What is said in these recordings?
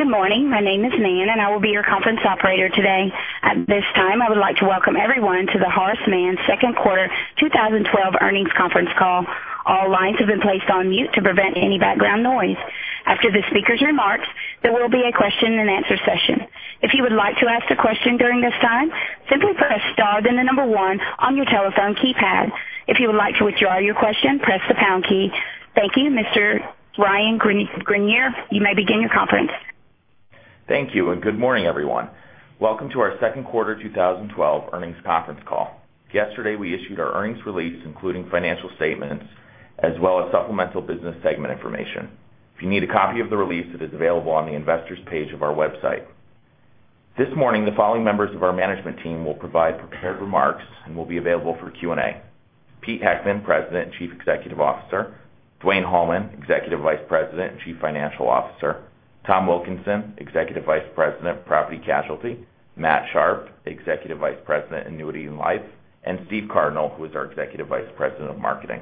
Good morning. My name is Nan, and I will be your conference operator today. At this time, I would like to welcome everyone to the Horace Mann second quarter 2012 earnings conference call. All lines have been placed on mute to prevent any background noise. After the speaker's remarks, there will be a question and answer session. If you would like to ask a question during this time, simply press star then the number one on your telephone keypad. If you would like to withdraw your question, press the pound key. Thank you, Mr. Ryan Greenier. You may begin your conference. Thank you. Good morning, everyone. Welcome to our second quarter 2012 earnings conference call. Yesterday, we issued our earnings release, including financial statements as well as supplemental business segment information. If you need a copy of the release, it is available on the investors page of our website. This morning, the following members of our management team will provide prepared remarks and will be available for Q&A. Pete Heckman, President and Chief Executive Officer, Dwayne Hallman, Executive Vice President and Chief Financial Officer, Tom Wilkinson, Executive Vice President, Property Casualty, Matt Sharpe, Executive Vice President, Annuity and Life, and Steve Cardinal, who is our Executive Vice President of Marketing.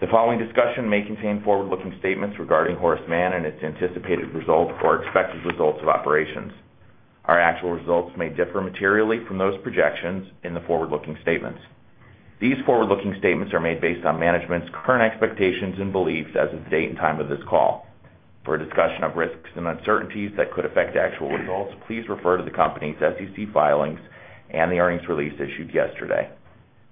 The following discussion may contain forward-looking statements regarding Horace Mann and its anticipated results or expected results of operations. Our actual results may differ materially from those projections in the forward-looking statements. These forward-looking statements are made based on management's current expectations and beliefs as of the date and time of this call. For a discussion of risks and uncertainties that could affect actual results, please refer to the company's SEC filings and the earnings release issued yesterday.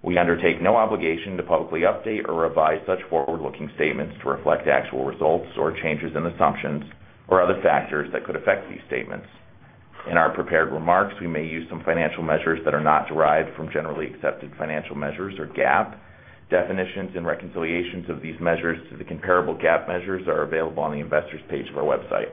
We undertake no obligation to publicly update or revise such forward-looking statements to reflect actual results or changes in assumptions or other factors that could affect these statements. In our prepared remarks, we may use some financial measures that are not derived from generally accepted financial measures, or GAAP. Definitions and reconciliations of these measures to the comparable GAAP measures are available on the investors page of our website.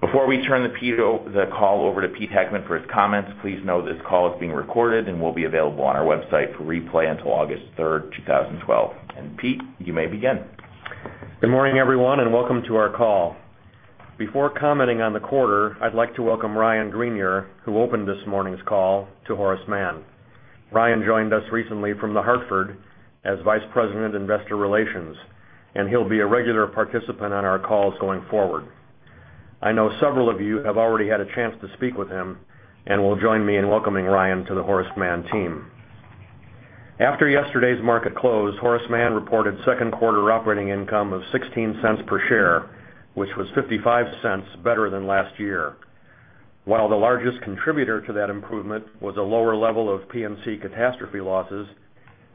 Before we turn the call over to Pete Heckman for his comments, please know this call is being recorded and will be available on our website for replay until August third, 2012. Pete, you may begin. Good morning, everyone, and welcome to our call. Before commenting on the quarter, I'd like to welcome Ryan Greenier, who opened this morning's call to Horace Mann. Ryan joined us recently from The Hartford as Vice President, Investor Relations, and he'll be a regular participant on our calls going forward. I know several of you have already had a chance to speak with him and will join me in welcoming Ryan to the Horace Mann team. After yesterday's market close, Horace Mann reported second quarter operating income of $0.16 per share, which was $0.55 better than last year. While the largest contributor to that improvement was a lower level of P&C catastrophe losses,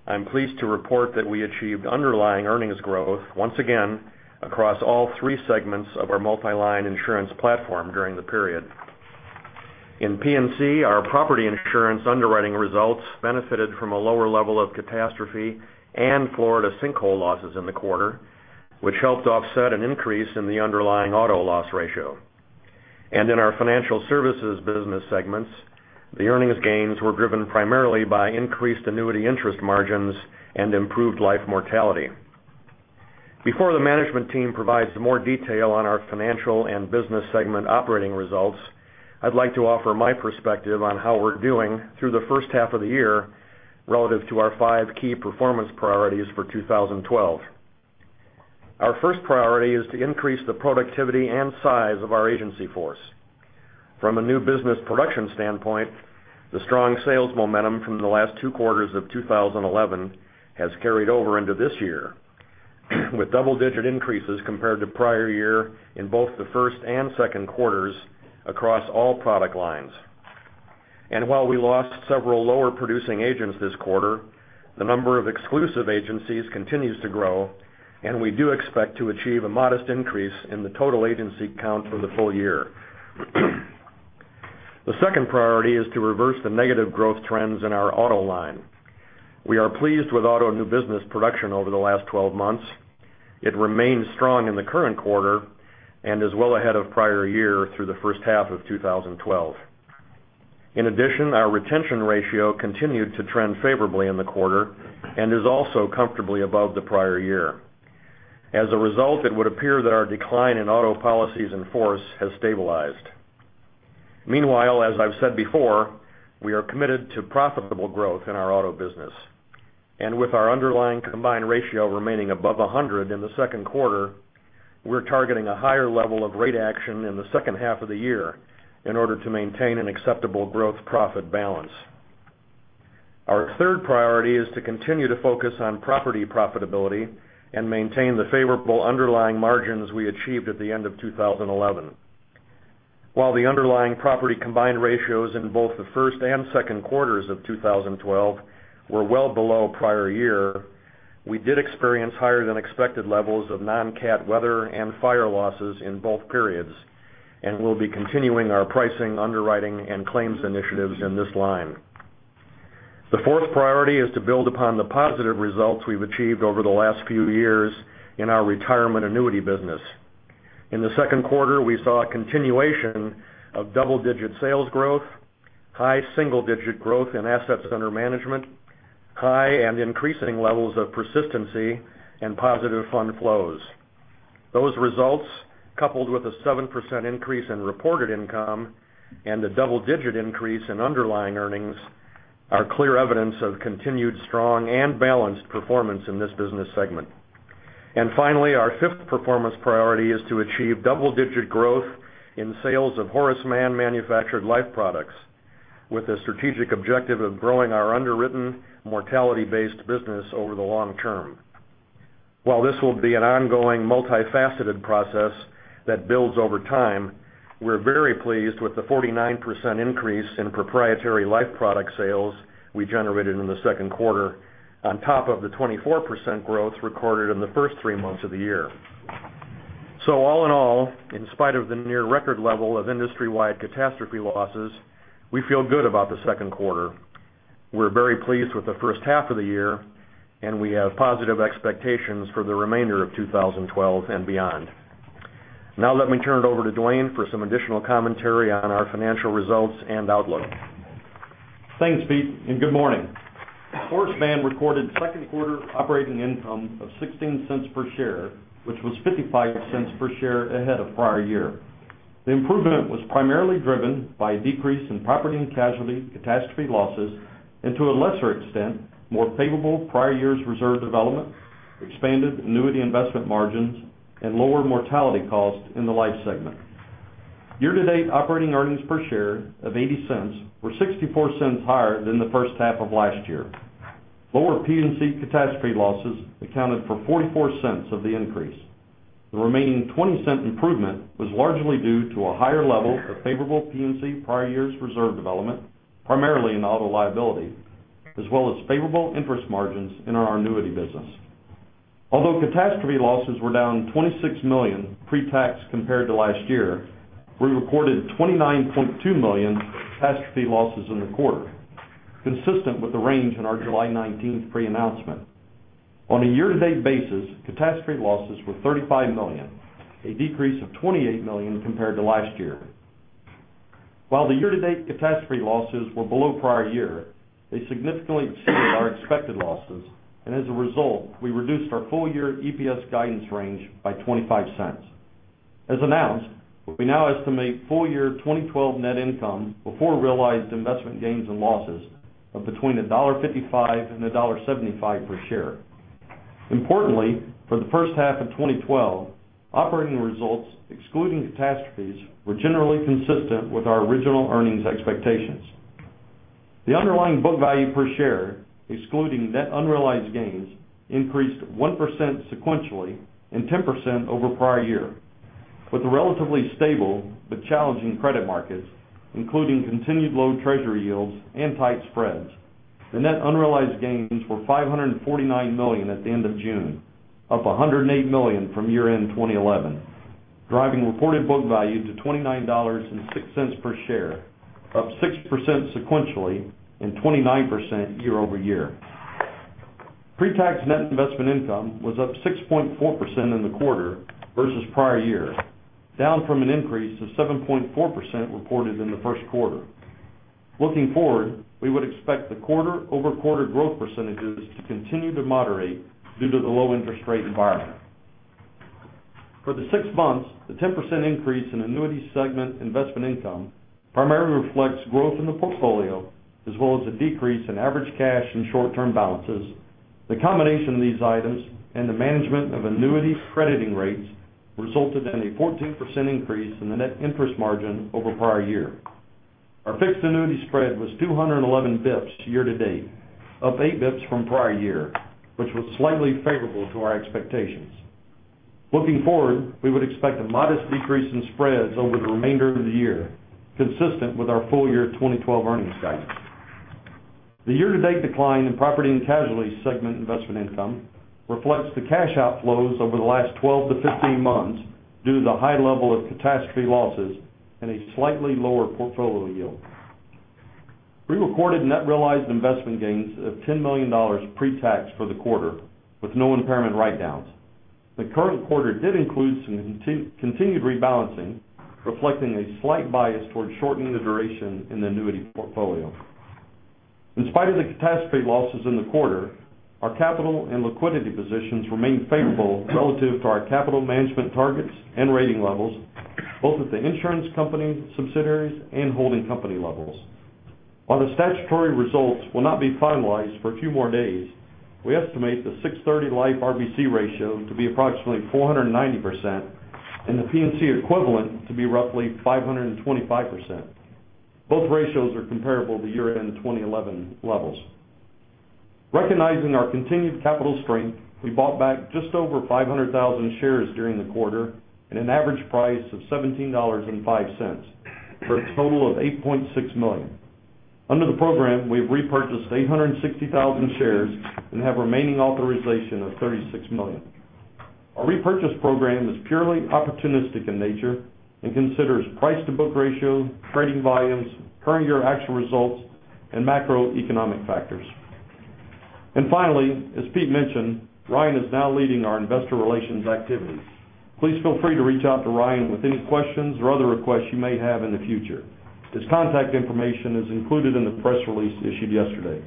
I'm pleased to report that we achieved underlying earnings growth once again across all three segments of our multi-line insurance platform during the period. In P&C, our property insurance underwriting results benefited from a lower level of catastrophe and Florida sinkhole losses in the quarter, which helped offset an increase in the underlying auto loss ratio. In our financial services business segments, the earnings gains were driven primarily by increased annuity interest margins and improved life mortality. Before the management team provides more detail on our financial and business segment operating results, I'd like to offer my perspective on how we're doing through the first half of the year relative to our five key performance priorities for 2012. Our first priority is to increase the productivity and size of our agency force. From a new business production standpoint, the strong sales momentum from the last two quarters of 2011 has carried over into this year, with double-digit increases compared to prior year in both the first and second quarters across all product lines. While we lost several lower producing agents this quarter, the number of exclusive agencies continues to grow, and we do expect to achieve a modest increase in the total agency count for the full year. The second priority is to reverse the negative growth trends in our auto line. We are pleased with auto new business production over the last 12 months. It remains strong in the current quarter and is well ahead of prior year through the first half of 2012. In addition, our retention ratio continued to trend favorably in the quarter and is also comfortably above the prior year. As a result, it would appear that our decline in auto policies in force has stabilized. Meanwhile, as I've said before, we are committed to profitable growth in our auto business. With our underlying combined ratio remaining above 100 in the second quarter, we're targeting a higher level of rate action in the second half of the year in order to maintain an acceptable growth profit balance. Our third priority is to continue to focus on property profitability and maintain the favorable underlying margins we achieved at the end of 2011. While the underlying property combined ratios in both the first and second quarters of 2012 were well below prior year, we did experience higher than expected levels of non-cat weather and fire losses in both periods and will be continuing our pricing, underwriting, and claims initiatives in this line. The fourth priority is to build upon the positive results we've achieved over the last few years in our retirement annuity business. In the second quarter, we saw a continuation of double-digit sales growth, high single-digit growth in assets under management, high and increasing levels of persistency, and positive fund flows. Those results, coupled with a 7% increase in reported income and a double-digit increase in underlying earnings are clear evidence of continued strong and balanced performance in this business segment. Finally, our fifth performance priority is to achieve double-digit growth in sales of Horace Mann manufactured life products with the strategic objective of growing our underwritten mortality-based business over the long term. While this will be an ongoing multi-faceted process that builds over time, we're very pleased with the 49% increase in proprietary life product sales we generated in the second quarter on top of the 24% growth recorded in the first three months of the year. All in all, in spite of the near record level of industry-wide catastrophe losses, we feel good about the second quarter. We're very pleased with the first half of the year, and we have positive expectations for the remainder of 2012 and beyond. Now let me turn it over to Dwayne for some additional commentary on our financial results and outlook. Thanks, Pete, and good morning. Horace Mann recorded second quarter operating income of $0.16 per share, which was $0.55 per share ahead of prior year. The improvement was primarily driven by a decrease in property and casualty catastrophe losses, to a lesser extent, more favorable prior year's reserve development, expanded annuity investment margins, and lower mortality costs in the life segment. Year-to-date operating earnings per share of $0.80 were $0.64 higher than the first half of last year. Lower P&C catastrophe losses accounted for $0.44 of the increase. The remaining $0.20 improvement was largely due to a higher level of favorable P&C prior year's reserve development, primarily in auto liability, as well as favorable interest margins in our annuity business. Although catastrophe losses were down $26 million pre-tax compared to last year, we recorded $29.2 million catastrophe losses in the quarter, consistent with the range in our July 19th pre-announcement. On a year-to-date basis, catastrophe losses were $35 million, a decrease of $28 million compared to last year. While the year-to-date catastrophe losses were below prior year, they significantly exceeded our expected losses, as a result, we reduced our full-year EPS guidance range by $0.25. As announced, we now estimate full-year 2012 net income before realized investment gains and losses of between $1.55 and $1.75 per share. Importantly, for the first half of 2012, operating results excluding catastrophes were generally consistent with our original earnings expectations. The underlying book value per share, excluding net unrealized gains, increased 1% sequentially and 10% over prior year. With the relatively stable but challenging credit markets, including continued low treasury yields and tight spreads, the net unrealized gains were $549 million at the end of June, up $108 million from year-end 2011, driving reported book value to $29.06 per share, up 6% sequentially and 29% year-over-year. Pre-tax net investment income was up 6.4% in the quarter versus prior year, down from an increase of 7.4% reported in the first quarter. Looking forward, we would expect the quarter-over-quarter growth percentages to continue to moderate due to the low interest rate environment. For the six months, the 10% increase in annuity segment investment income primarily reflects growth in the portfolio, as well as a decrease in average cash and short-term balances. The combination of these items and the management of annuity crediting rates resulted in a 14% increase in the net interest margin over prior year. Our fixed annuity spread was 211 basis points year to date, up 8 basis points from prior year, which was slightly favorable to our expectations. Looking forward, we would expect a modest decrease in spreads over the remainder of the year, consistent with our full-year 2012 earnings guidance. The year-to-date decline in property and casualty segment investment income reflects the cash outflows over the last 12 to 15 months due to the high level of catastrophe losses and a slightly lower portfolio yield. We recorded net realized investment gains of $10 million pre-tax for the quarter with no impairment write-downs. The current quarter did include some continued rebalancing, reflecting a slight bias towards shortening the duration in the annuity portfolio. In spite of the catastrophe losses in the quarter, our capital and liquidity positions remain favorable relative to our capital management targets and rating levels, both at the insurance company subsidiaries and holding company levels. While the statutory results will not be finalized for a few more days, we estimate the 630 Life RBC ratio to be approximately 490% and the P&C equivalent to be roughly 525%. Both ratios are comparable to year-end 2011 levels. Recognizing our continued capital strength, we bought back just over 500,000 shares during the quarter at an average price of $17.05 for a total of $8.6 million. Under the program, we have repurchased 860,000 shares and have remaining authorization of 36 million. Our repurchase program is purely opportunistic in nature and considers price to book ratio, trading volumes, current year actual results, and macroeconomic factors. Finally, as Pete mentioned, Ryan is now leading our investor relations activities. Please feel free to reach out to Ryan with any questions or other requests you may have in the future. His contact information is included in the press release issued yesterday.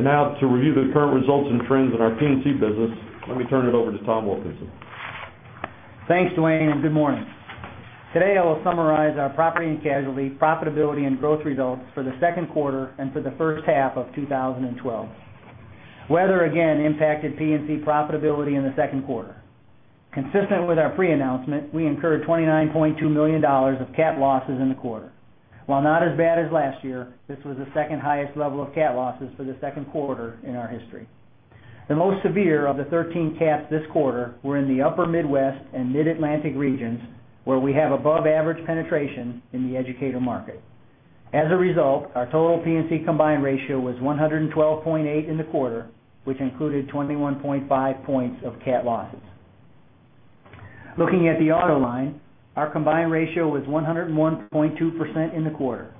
Now to review the current results and trends in our P&C business, let me turn it over to Tom Wilkinson. Thanks, Dwayne, and good morning. Today I will summarize our P&C profitability and growth results for the second quarter and for the first half of 2012. Weather again impacted P&C profitability in the second quarter. Consistent with our pre-announcement, we incurred $29.2 million of cat losses in the quarter. While not as bad as last year, this was the second-highest level of cat losses for the second quarter in our history. The most severe of the 13 cats this quarter were in the upper Midwest and Mid-Atlantic regions, where we have above-average penetration in the educator market. As a result, our total P&C combined ratio was 112.8 in the quarter, which included 21.5 points of cat losses. Looking at the auto line, our combined ratio was 101.2% in the quarter.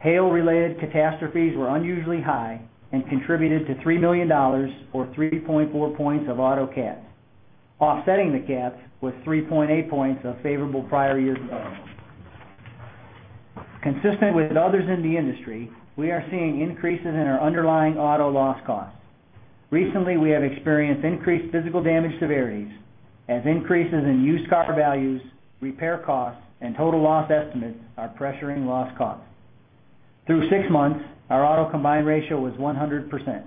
Hail-related catastrophes were unusually high and contributed to $3 million, or 3.4 points of auto cats. Offsetting the cats was 3.8 points of favorable prior years development. Consistent with others in the industry, we are seeing increases in our underlying auto loss costs. Recently, we have experienced increased physical damage severities as increases in used car values, repair costs, and total loss estimates are pressuring loss costs. Through six months, our auto combined ratio was 100%.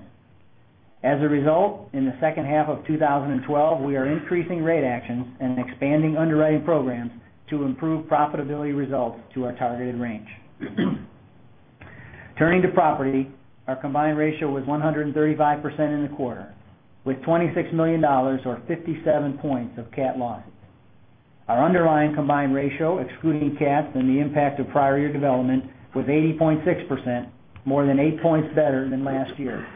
As a result, in the second half of 2012, we are increasing rate actions and expanding underwriting programs to improve profitability results to our targeted range. Turning to property, our combined ratio was 135% in the quarter, with $26 million or 57 points of cat losses. Our underlying combined ratio, excluding cats and the impact of prior year development, was 80.6%, more than eight points better than last year.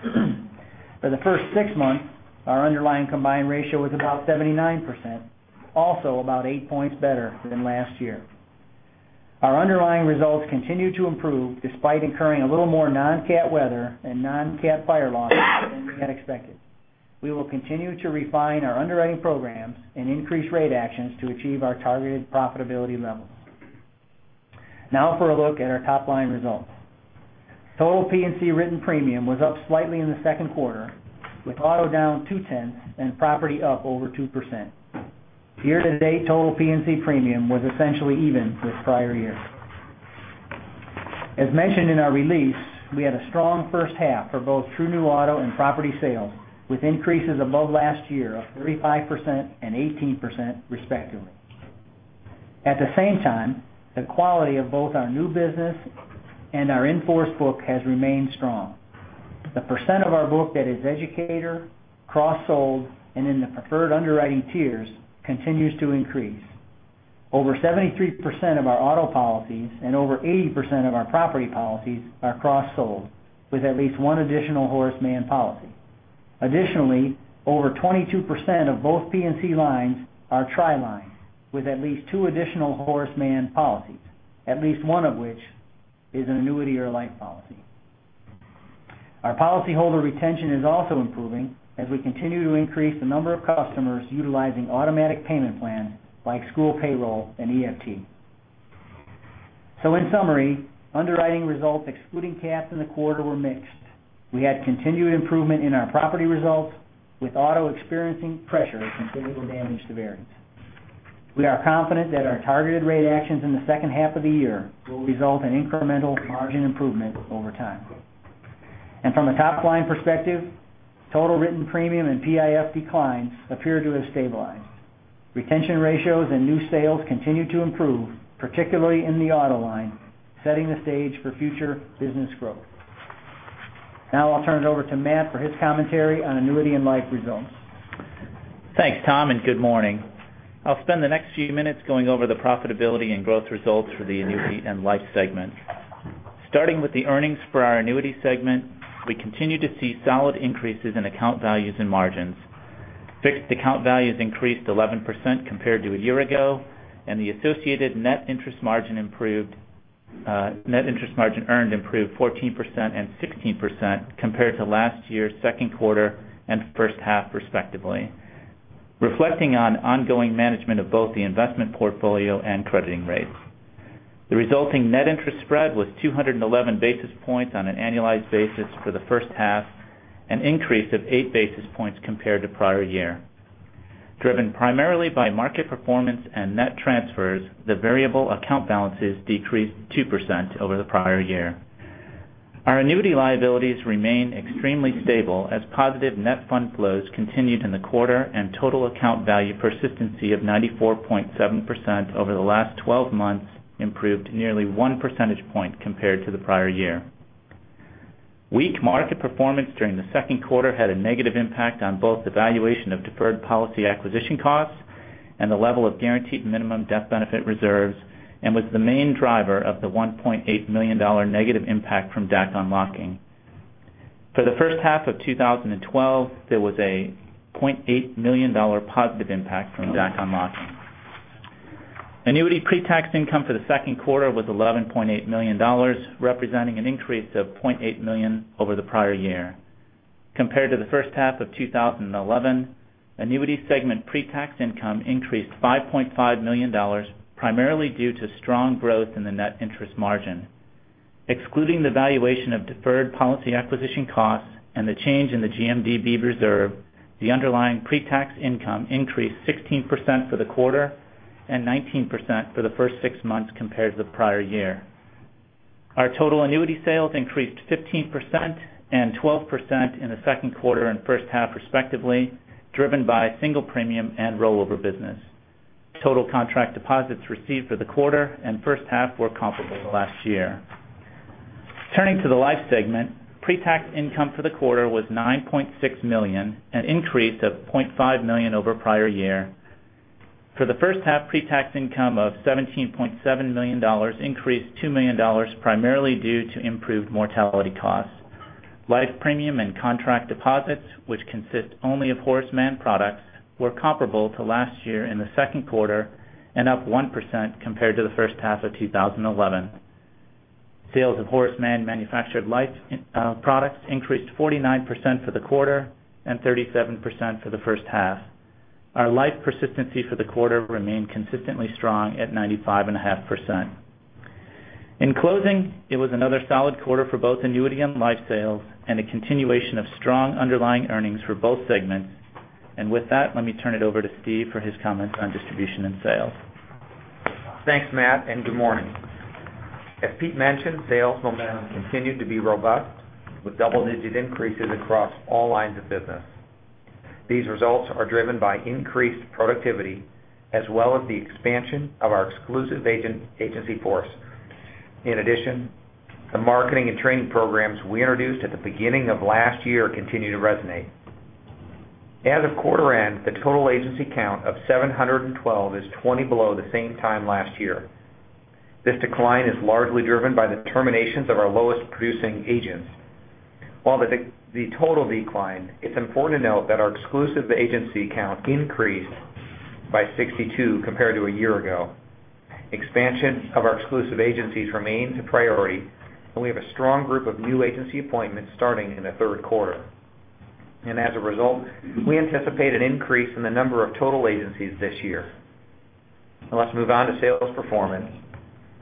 For the first six months, our underlying combined ratio was about 79%, also about eight points better than last year. Our underlying results continue to improve, despite incurring a little more non-cat weather and non-cat fire losses than we had expected. We will continue to refine our underwriting programs and increase rate actions to achieve our targeted profitability levels. Now for a look at our top-line results. Total P&C written premium was up slightly in the second quarter, with auto down two-tenths and property up over 2%. Year-to-date, total P&C premium was essentially even with prior year. As mentioned in our release, we had a strong first half for both true new auto and property sales, with increases above last year of 35% and 18%, respectively. At the same time, the quality of both our new business and our in-force book has remained strong. The percent of our book that is educator, cross-sold, and in the preferred underwriting tiers continues to increase. Over 73% of our auto policies and over 80% of our property policies are cross-sold with at least one additional Horace Mann policy. Additionally, over 22% of both P&C lines are tri-line, with at least two additional Horace Mann policies, at least one of which is an annuity or life policy. Our policyholder retention is also improving as we continue to increase the number of customers utilizing automatic payment plans like school payroll and EFT. In summary, underwriting results excluding cats in the quarter were mixed. We had continued improvement in our property results, with auto experiencing pressure from physical damage to variance. We are confident that our targeted rate actions in the second half of the year will result in incremental margin improvement over time. From a top-line perspective, total written premium and PIF declines appear to have stabilized. Retention ratios and new sales continue to improve, particularly in the auto line, setting the stage for future business growth. Now I'll turn it over to Matt for his commentary on annuity and life results. Thanks, Tom, and good morning. I'll spend the next few minutes going over the profitability and growth results for the annuity and life segment. Starting with the earnings for our annuity segment, we continue to see solid increases in account values and margins. Fixed account values increased 11% compared to a year ago, and the associated net interest margin earned improved 14% and 16% compared to last year's second quarter and first half, respectively, reflecting on ongoing management of both the investment portfolio and crediting rates. The resulting net interest spread was 211 basis points on an annualized basis for the first half, an increase of eight basis points compared to prior year. Driven primarily by market performance and net transfers, the variable account balances decreased 2% over the prior year. Our annuity liabilities remain extremely stable as positive net fund flows continued in the quarter and total account value persistency of 94.7% over the last 12 months improved nearly one percentage point compared to the prior year. Weak market performance during the second quarter had a negative impact on both the valuation of deferred policy acquisition costs and the level of guaranteed minimum death benefit reserves, and was the main driver of the $1.8 million negative impact from DAC unlocking. For the first half of 2012, there was a $0.8 million positive impact from DAC unlocking. Annuity pretax income for the second quarter was $11.8 million, representing an increase of $0.8 million over the prior year. Compared to the first half of 2011, annuity segment pretax income increased $5.5 million, primarily due to strong growth in the net interest margin. Excluding the valuation of deferred policy acquisition costs and the change in the GMDB reserve, the underlying pretax income increased 16% for the quarter and 19% for the first six months compared to the prior year. Our total annuity sales increased 15% and 12% in the second quarter and first half respectively, driven by single premium and rollover business. Total contract deposits received for the quarter and first half were comparable to last year. Turning to the life segment, pretax income for the quarter was $9.6 million, an increase of $0.5 million over prior year. For the first half, pretax income of $17.7 million increased $2 million, primarily due to improved mortality costs. Life premium and contract deposits, which consist only of Horace Mann products, were comparable to last year in the second quarter and up 1% compared to the first half of 2011. Sales of Horace Mann manufactured life products increased 49% for the quarter and 37% for the first half. Our life persistency for the quarter remained consistently strong at 95.5%. In closing, it was another solid quarter for both annuity and life sales and a continuation of strong underlying earnings for both segments. With that, let me turn it over to Steve for his comments on distribution and sales. Thanks, Matt, and good morning. As Pete mentioned, sales momentum continued to be robust with double-digit increases across all lines of business. These results are driven by increased productivity as well as the expansion of our exclusive agency force. In addition, the marketing and training programs we introduced at the beginning of last year continue to resonate. As of quarter end, the total agency count of 712 is 20 below the same time last year. This decline is largely driven by the terminations of our lowest producing agents. While the total decline, it's important to note that our exclusive agency count increased by 62 compared to a year ago. Expansion of our exclusive agencies remains a priority, and we have a strong group of new agency appointments starting in the third quarter. As a result, we anticipate an increase in the number of total agencies this year. Now let's move on to sales performance.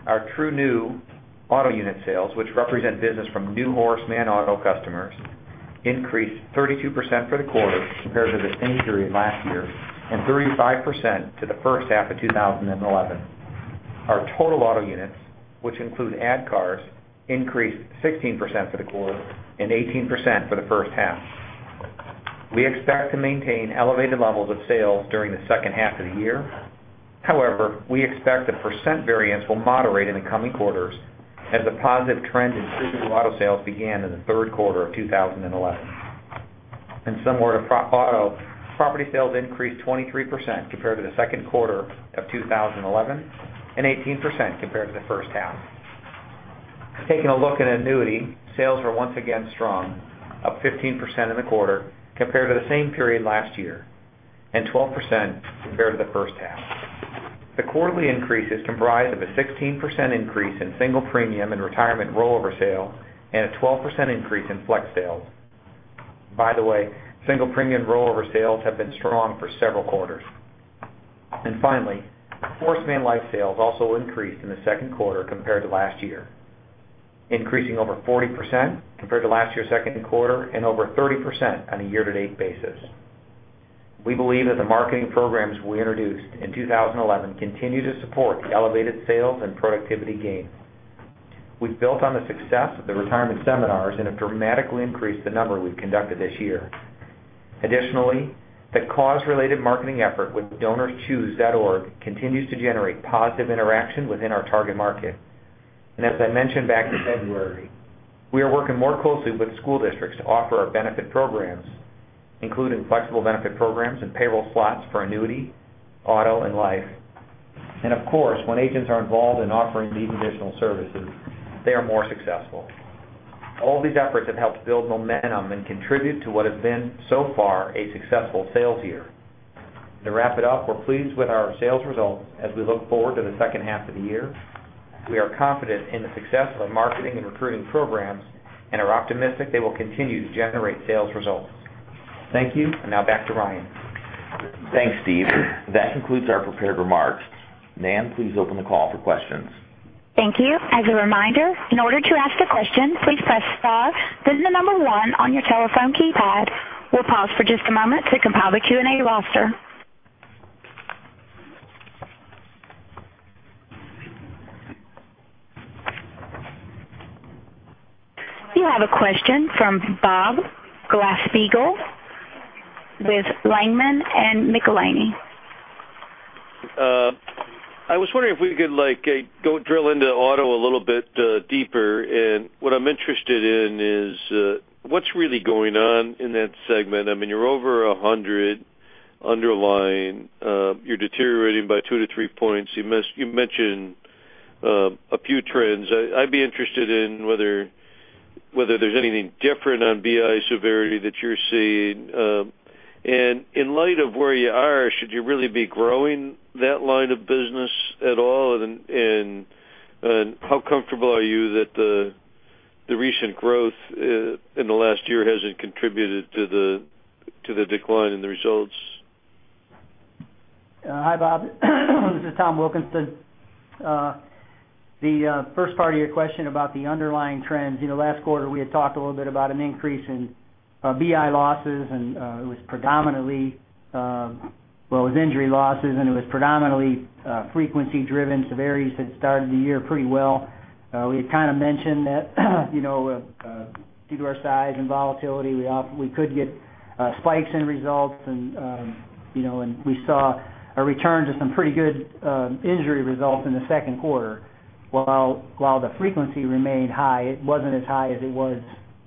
Our true new auto unit sales, which represent business from new Horace Mann auto customers, increased 32% for the quarter compared to the same period last year and 35% to the first half of 2011. Our total auto units, which include add cars, increased 16% for the quarter and 18% for the first half. We expect to maintain elevated levels of sales during the second half of the year. However, we expect the percent variance will moderate in the coming quarters as the positive trend in true new auto sales began in the third quarter of 2011. Similar to auto, property sales increased 23% compared to the second quarter of 2011 and 18% compared to the first half. Taking a look at annuity, sales were once again strong, up 15% in the quarter compared to the same period last year and 12% compared to the first half. The quarterly increase is comprised of a 16% increase in single premium and retirement rollover sale and a 12% increase in flex sales. By the way, single premium rollover sales have been strong for several quarters. Finally, Horace Mann life sales also increased in the second quarter compared to last year, increasing over 40% compared to last year's second quarter and over 30% on a year-to-date basis. We believe that the marketing programs we introduced in 2011 continue to support the elevated sales and productivity gain. We've built on the success of the retirement seminars and have dramatically increased the number we've conducted this year. Additionally, the cause-related marketing effort with donorschoose.org continues to generate positive interaction within our target market. As I mentioned back in February, we are working more closely with school districts to offer our benefit programs, including flexible benefit programs and payroll slots for annuity, auto, and life. Of course, when agents are involved in offering these additional services, they are more successful. All these efforts have helped build momentum and contribute to what has been, so far, a successful sales year. To wrap it up, we're pleased with our sales results as we look forward to the second half of the year. We are confident in the success of our marketing and recruiting programs and are optimistic they will continue to generate sales results. Thank you, and now back to Ryan. Thanks, Steve. That concludes our prepared remarks. Nan, please open the call for questions. Thank you. As a reminder, in order to ask a question, please press star then the number 1 on your telephone keypad. We'll pause for just a moment to compile the Q&A roster. You have a question from Bob Glasspiegel with Langen McAlenney. I was wondering if we could drill into auto a little bit deeper. What I'm interested in is what's really going on in that segment. I mean, you're over 100 underlying. You're deteriorating by two to three points. You mentioned a few trends. I'd be interested in whether there's anything different on BI severity that you're seeing. In light of where you are, should you really be growing that line of business at all? How comfortable are you that the recent growth in the last year hasn't contributed to the decline in the results? Hi, Bob. This is Tom Wilkinson. The first part of your question about the underlying trends. Last quarter, we had talked a little bit about an increase in BI losses, well, it was injury losses, and it was predominantly frequency driven. Severity had started the year pretty well. We had mentioned that due to our size and volatility, we could get spikes in results, and we saw a return to some pretty good injury results in the second quarter. While the frequency remained high, it wasn't as high as it was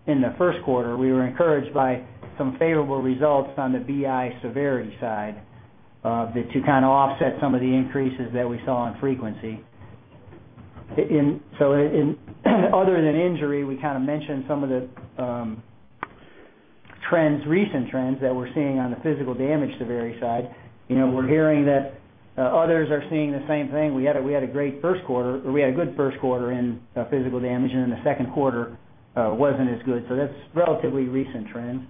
in the first quarter. We were encouraged by some favorable results on the BI severity side to kind of offset some of the increases that we saw on frequency. Other than injury, we kind of mentioned some of the recent trends that we're seeing on the physical damage severity side. We're hearing that others are seeing the same thing. We had a good first quarter in physical damage, and then the second quarter wasn't as good. That's relatively recent trends.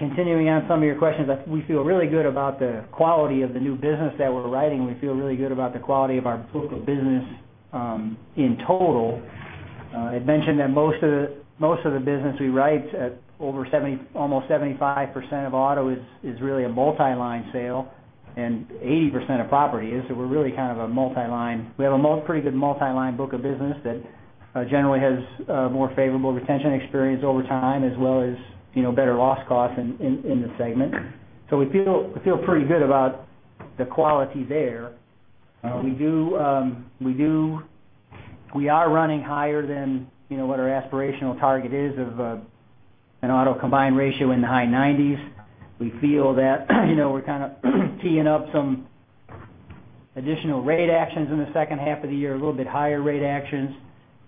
Continuing on some of your questions, we feel really good about the quality of the new business that we're writing. We feel really good about the quality of our book of business in total. I mentioned that most of the business we write, almost 75% of auto is really a multi-line sale, and 80% of property is. We have a pretty good multi-line book of business that generally has a more favorable retention experience over time, as well as better loss costs in the segment. We feel pretty good about the quality there. We are running higher than what our aspirational target is of an auto combined ratio in the high 90s. We feel that we're kind of teeing up some additional rate actions in the second half of the year, a little bit higher rate actions.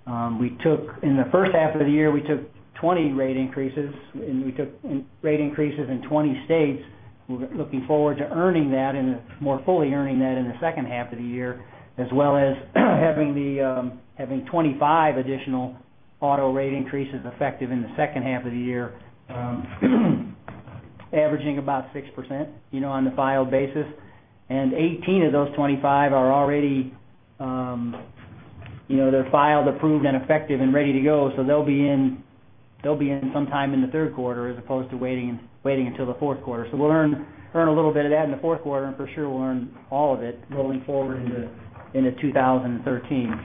In the first half of the year, we took 20 rate increases, and we took rate increases in 20 states. We're looking forward to more fully earning that in the second half of the year, as well as having 25 additional auto rate increases effective in the second half of the year, averaging about 6% on the filed basis. 18 of those 25 are already filed, approved, and effective, and ready to go. They'll be in sometime in the third quarter as opposed to waiting until the fourth quarter. We'll earn a little bit of that in the fourth quarter, and for sure we'll earn all of it rolling forward into 2013.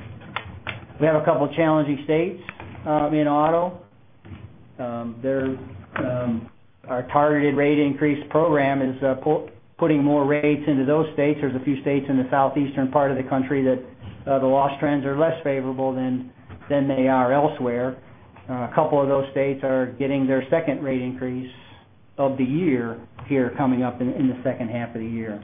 We have a couple challenging states in auto. Our targeted rate increase program is putting more rates into those states. There's a few states in the southeastern part of the country that the loss trends are less favorable than they are elsewhere. A couple of those states are getting their second rate increase of the year here coming up in the second half of the year.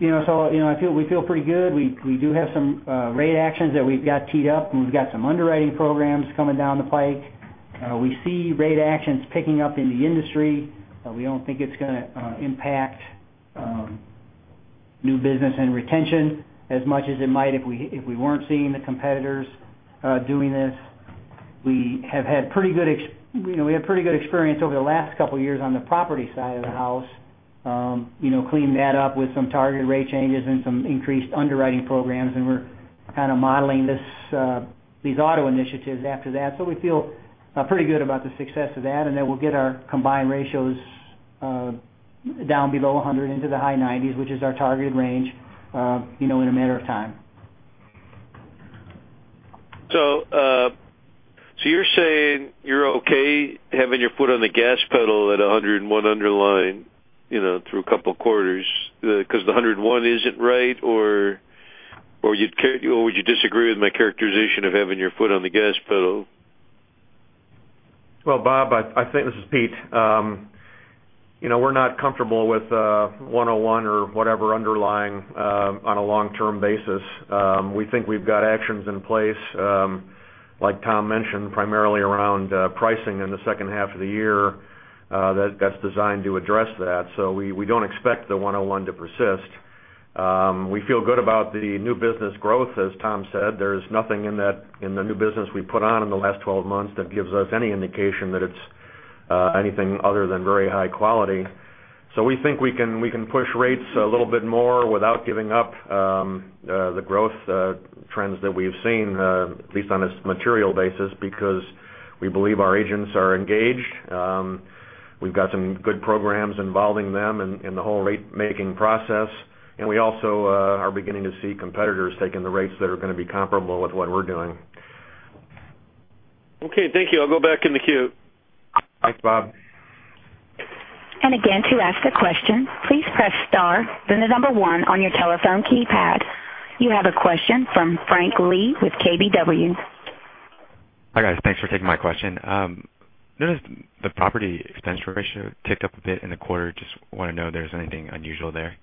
We feel pretty good. We do have some rate actions that we've got teed up, and we've got some underwriting programs coming down the pike. We see rate actions picking up in the industry. We don't think it's going to impact new business and retention as much as it might if we weren't seeing the competitors doing this. We have had pretty good experience over the last couple of years on the property side of the house. We're kind of modeling these auto initiatives after that. We feel pretty good about the success of that, and that we'll get our combined ratios down below 100 into the high 90s, which is our targeted range, in a matter of time. You're saying you're okay having your foot on the gas pedal at 101 underlying through a couple of quarters because the 101 isn't right? Would you disagree with my characterization of having your foot on the gas pedal? Well, Bob, this is Pete. We're not comfortable with 101 or whatever underlying on a long-term basis. We think we've got actions in place, like Tom mentioned, primarily around pricing in the second half of the year that's designed to address that. We don't expect the 101 to persist. We feel good about the new business growth, as Tom said. There's nothing in the new business we put on in the last 12 months that gives us any indication that it's anything other than very high quality. We think we can push rates a little bit more without giving up the growth trends that we've seen, at least on a material basis, because we believe our agents are engaged. We've got some good programs involving them in the whole rate-making process. We also are beginning to see competitors taking the rates that are going to be comparable with what we're doing. Okay, thank you. I'll go back in the queue. Thanks, Bob. Again, to ask a question, please press star then the number 1 on your telephone keypad. You have a question from Frank Lee with KBW. Hi, guys. Thanks for taking my question. I noticed the property expense ratio ticked up a bit in the quarter. Just want to know if there's anything unusual there.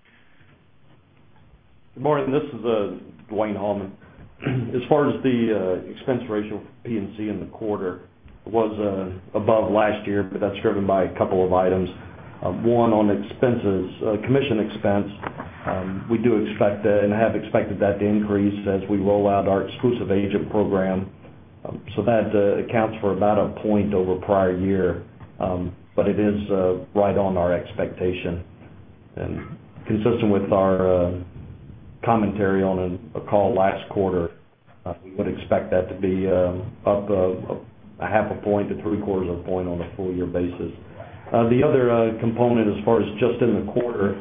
Good morning. This is Dwayne Hallman. As far as the expense ratio for P&C in the quarter, it was above last year, but that's driven by a couple of items. One, on commission expense, we do expect that and have expected that to increase as we roll out our exclusive agent program. That accounts for about a point over prior year, but it is right on our expectation and consistent with our commentary on a call last quarter, we would expect that to be up a half a point to three-quarters of a point on a full year basis. The other component, as far as just in the quarter,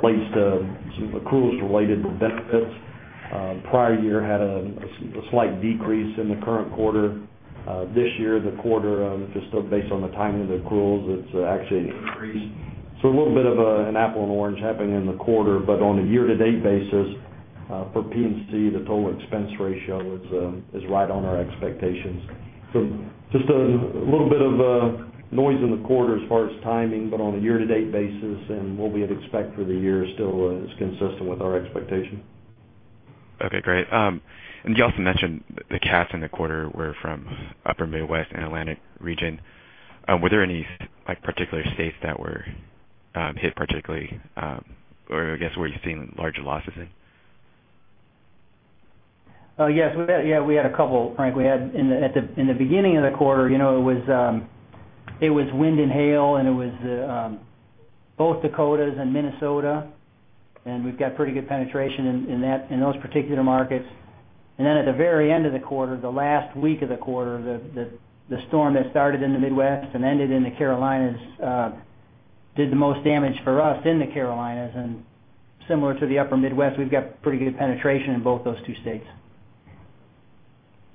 relates to some accruals related to benefits. Prior year had a slight decrease in the current quarter. This year, the quarter, just based on the timing of the accruals, it's actually an increase. A little bit of an apple and orange happening in the quarter, but on a year-to-date basis for P&C, the total expense ratio is right on our expectations. Just a little bit of noise in the quarter as far as timing, but on a year-to-date basis and what we would expect for the year still is consistent with our expectation. Okay, great. You also mentioned the CATs in the quarter were from Upper Midwest and Atlantic region. Were there any particular states that were hit particularly, or I guess, where you're seeing larger losses in? Yes, we had a couple, Frank. In the beginning of the quarter, it was wind and hail. It was both Dakotas and Minnesota, and we've got pretty good penetration in those particular markets. At the very end of the quarter, the last week of the quarter, the storm that started in the Midwest and ended in the Carolinas did the most damage for us in the Carolinas, similar to the Upper Midwest, we've got pretty good penetration in both those two states.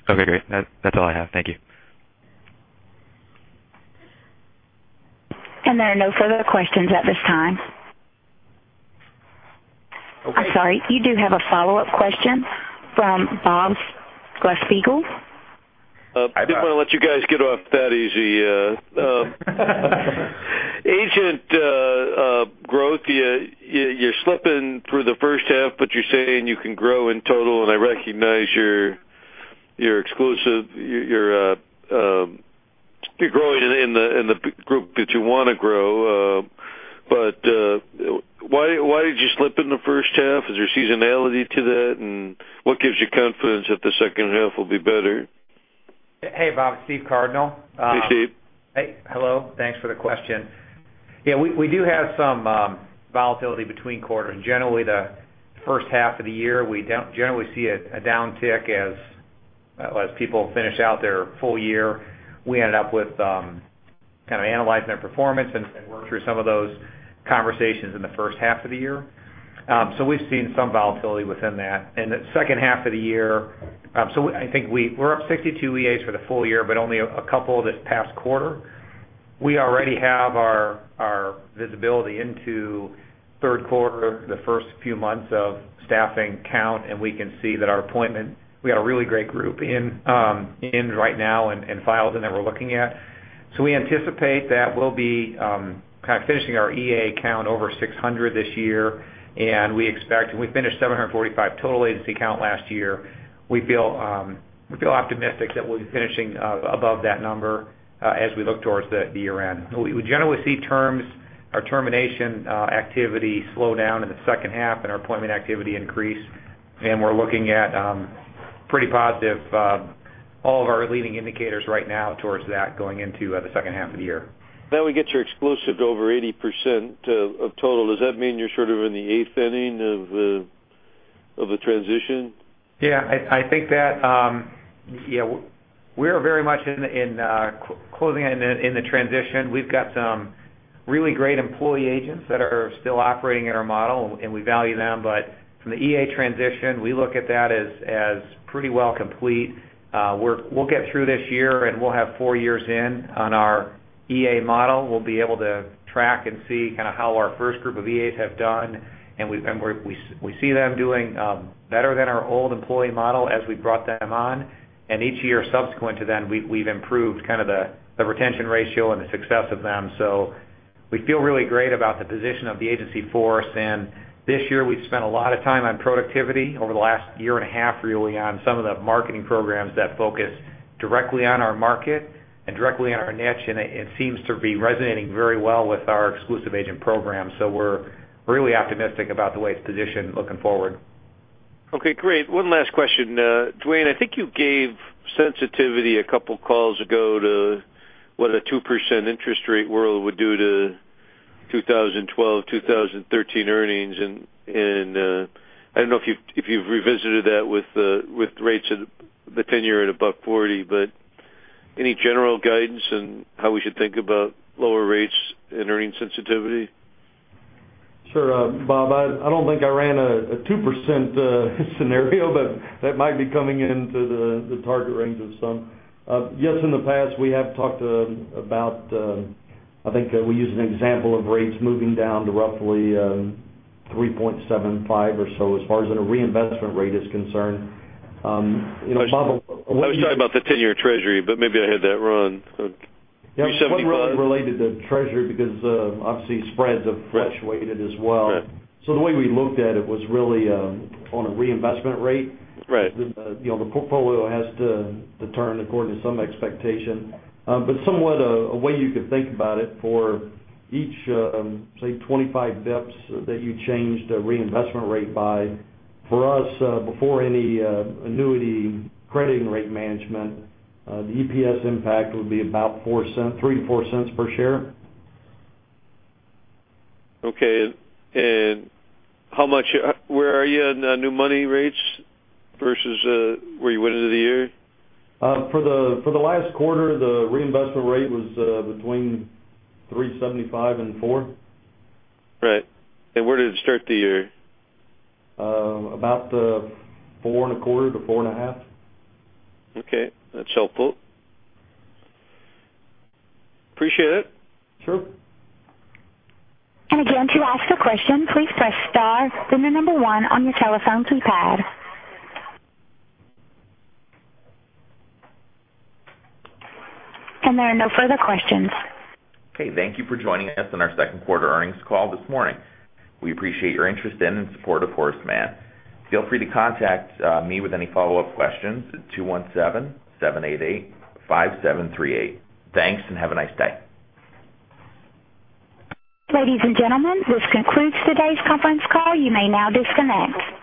Okay, great. That's all I have. Thank you. There are no further questions at this time. Okay. I'm sorry. You do have a follow-up question from Bob Glasspiegel. I didn't want to let you guys get off that easy. Agent growth, you're slipping through the first half, but you're saying you can grow in total, and I recognize you're exclusive. You're growing in the group that you want to grow, but why did you slip in the first half? Is there seasonality to that? What gives you confidence that the second half will be better? Hey, Bob. Steve Cardinal. Hey, Steve. Hey. Hello. Thanks for the question. We do have some volatility between quarters. Generally, the first half of the year, we generally see a downtick as people finish out their full year. We end up with kind of analyzing their performance and work through some of those conversations in the first half of the year. We've seen some volatility within that. In the second half of the year, I think we're up 62 EAs for the full year, but only a couple this past quarter. We already have our visibility into third quarter, the first few months of staffing count, and we can see that our appointment, we got a really great group in right now and files in that we're looking at. We anticipate that we'll be kind of finishing our EA count over 600 this year. We finished 745 total agency count last year. We feel optimistic that we'll be finishing above that number as we look towards the year-end. We generally see our termination activity slow down in the second half and our appointment activity increase, and we're looking at pretty positive all of our leading indicators right now towards that going into the second half of the year. We get your exclusive over 80% of total. Does that mean you're sort of in the eighth inning of the transition? Yeah, I think that we're very much closing in the transition. We've got some really great employee agents that are still operating in our model, and we value them. From the EA transition, we look at that as pretty well complete. We'll get through this year, and we'll have four years in on our EA model. We'll be able to track and see kind of how our first group of EAs have done, and we see them doing better than our old employee model as we brought them on. Each year subsequent to then, we've improved kind of the retention ratio and the success of them. We feel really great about the position of the agency force. This year, we've spent a lot of time on productivity over the last year and a half, really on some of the marketing programs that focus directly on our market and directly on our niche, and it seems to be resonating very well with our exclusive agent program. We're really optimistic about the way it's positioned looking forward. Okay, great. One last question. Dwayne, I think you gave sensitivity a couple of calls ago to what a 2% interest rate world would do to 2012, 2013 earnings. I don't know if you've revisited that with rates at the 10-year at above 40, any general guidance on how we should think about lower rates and earnings sensitivity? Sure. Bob, I don't think I ran a 2% scenario, but that might be coming into the target range of some. Yes, in the past, we have talked about, I think we used an example of rates moving down to roughly 3.75 or so as far as in a reinvestment rate is concerned. I was talking about the 10-year treasury, maybe I had that wrong. 3.75? Yeah, it's unrelated to treasury because obviously spreads have fluctuated as well. Right. The way we looked at it was really on a reinvestment rate. Right. The portfolio has to turn according to some expectation. Somewhat a way you could think about it for each, say, 25 basis points that you changed a reinvestment rate by, for us, before any annuity crediting rate management, the EPS impact would be about $0.03-$0.04 per share. Okay. Where are you in new money rates versus where you went into the year? For the last quarter, the reinvestment rate was between 375 and four. Right. Where did it start the year? About four and a quarter to four and a half. Okay. That's helpful. Appreciate it. Sure. Again, to ask a question, please press star, then the number one on your telephone keypad. There are no further questions. Okay. Thank you for joining us on our second quarter earnings call this morning. We appreciate your interest in and support of Horace Mann. Feel free to contact me with any follow-up questions at 217-788-5738. Thanks, and have a nice day. Ladies and gentlemen, this concludes today's conference call. You may now disconnect.